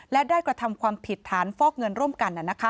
และได้กระทำความผิดฐานฟอกเงินร่วมกัน